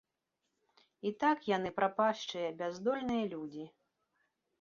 І так яны прапашчыя, бяздольныя людзі.